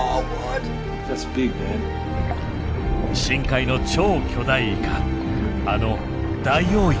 深海の超巨大イカあのダイオウイカまで。